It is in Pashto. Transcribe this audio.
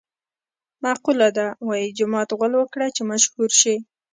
مقوله ده: وايي جومات غول وکړه چې مشهور شې.